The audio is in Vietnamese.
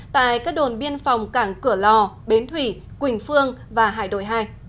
tại các đồn biên phòng cảng cửa lò bến thủy quỳnh phương và hải đội hai